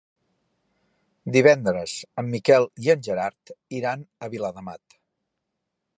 Divendres en Miquel i en Gerard iran a Viladamat.